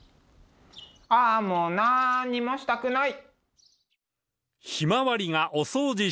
ああもうなんにもしたくない！